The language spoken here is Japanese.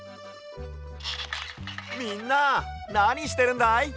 みんななにしてるんだい？